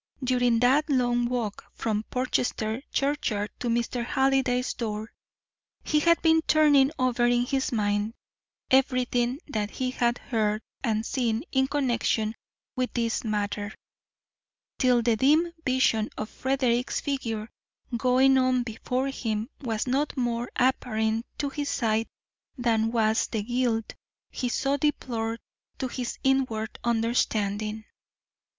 During that long walk from Portchester churchyard to Mr. Halliday's door, he had been turning over in his mind everything that he had heard and seen in connection with this matter, till the dim vision of Frederick's figure going on before him was not more apparent to his sight than was the guilt he so deplored to his inward understanding.